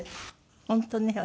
本当ね。